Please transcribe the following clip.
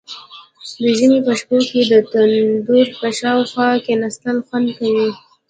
د ژمي په شپو کې د تندور په شاوخوا کیناستل خوند کوي.